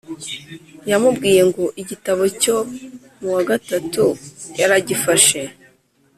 yamubwiye ngo igitabo cyo muwagatatu yaragifashe